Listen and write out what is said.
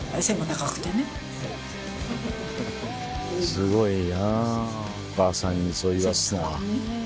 すごいなお母さんにそう言わすのは。ねぇ。